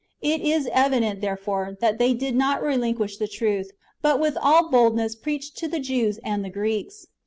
It is evident, therefore, that they did not rehnquish the truth, but ^yith all boldness preached to the Jews and Greeks.